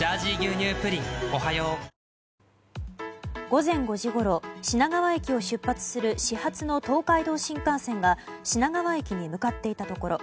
午前５時ごろ品川駅を出発する始発の東海道新幹線が品川駅に向かっていたところ